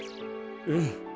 うん。